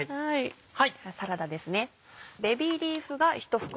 サラダですね。